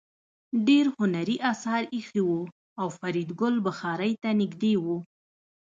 ډېر هنري اثار ایښي وو او فریدګل بخارۍ ته نږدې و